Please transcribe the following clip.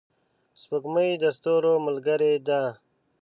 سپوږمۍ د ستورو ملګرې ده.